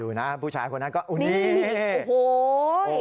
อยู่นะผู้ชายคนนั้นก็นี่นี่นี่นี่